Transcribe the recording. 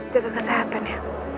jaga kesehatan ya